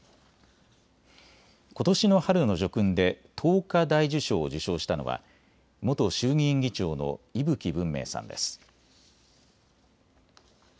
ことしの春の叙勲で桐花大綬章を受章したのは元衆議院議長の伊吹文明さんです。